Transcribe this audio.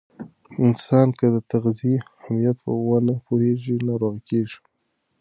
انسان که د تغذیې اهمیت ونه پوهیږي، ناروغ کیږي.